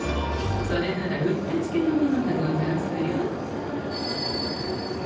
それならうってつけのものがござんすよ。